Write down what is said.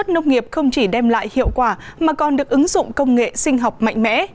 nông nghiệp không chỉ đem lại hiệu quả mà còn được ứng dụng công nghệ sinh học mạnh mẽ